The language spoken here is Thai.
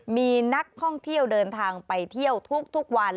มีนักท่องเที่ยวเดินทางไปเที่ยวทุกวัน